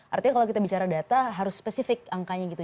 artinya kalau kita bicara data harus spesifik angkanya gitu